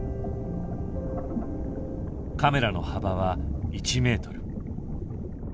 カメラの幅は１ｍ。